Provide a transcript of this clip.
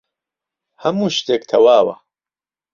هەموو شتێک تەواوە.